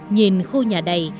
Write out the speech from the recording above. nhìn khu nhà đầy